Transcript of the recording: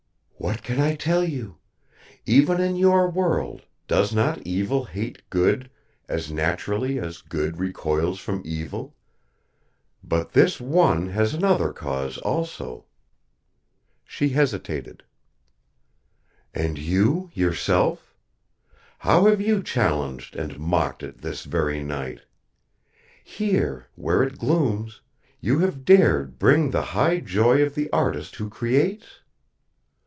"What can I tell you? Even in your world, does not evil hate good as naturally as good recoils from evil? But this One has another cause also!" She hesitated. "And you yourself? How have you challenged and mocked It this very night? Here, where It glooms, you have dared bring the high joy of the artist who creates?